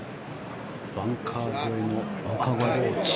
バンカー越えのアプローチ